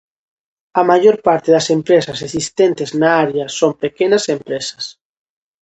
A maior parte das empresas existentes na área son pequenas empresas.